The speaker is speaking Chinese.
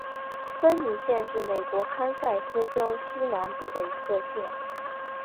芬尼县是美国堪萨斯州西南部的一个县。